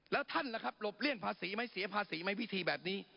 แล้วท่านล่ะครับหลบเลี่ยงภาษีไหมเสียภาษีไหมวิธีแบบนี้